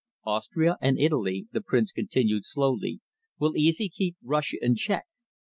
"Austria and Italy," the Prince continued slowly, "will easily keep Russia in check.